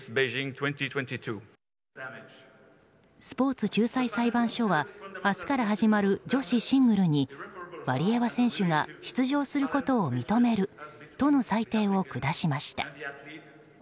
スポーツ仲裁裁判所は明日から始まる女子シングルにワリエワ選手が出場することを認めるとの裁定を下しました。